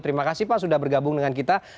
terima kasih pak sudah bergabung dengan kita